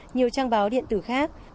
nhiều trang báo điện tử khác